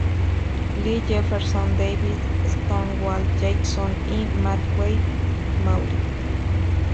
Lee, Jefferson Davis, Stonewall Jackson, y Matthew F. Maury.